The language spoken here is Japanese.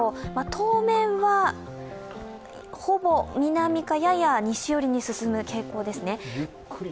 当面は、ほぼ南か、やや西寄りに進む傾向ですね。